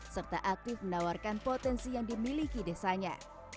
serta aktif menawarkan potensi yang dimiliki desanya